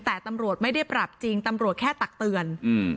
แต่ตำรวจไม่ได้ปรับจริงตำรวจแค่ตักเตือนอืม